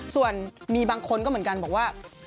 ส่วนมีบางคนก็เหมือนกันบอกว่า